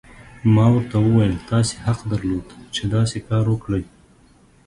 ما ورته وویل: تاسي حق درلود، چې داسې کار وکړي.